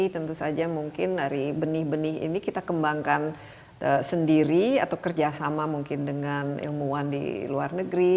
tentu saja mungkin dari benih benih ini kita kembangkan sendiri atau kerjasama mungkin dengan ilmuwan di luar negeri